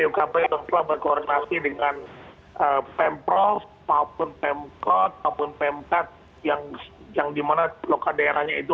kpu dan protokol berkoordinasi dengan pemprov maupun pemkot maupun pemkat yang di mana lokal daerahnya itu